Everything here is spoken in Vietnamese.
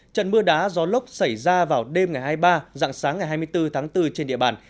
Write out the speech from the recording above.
trận mưa đá gió lốc xảy ra vào đêm ngày hai mươi ba dạng sáng ngày hai mươi bốn tháng bốn trên địa bàn